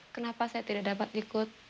kenapa saya tidak dapat ikut